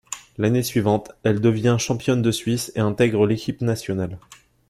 L'année suivante, elle devient championne de Suisse et intègre l'équipe nationale.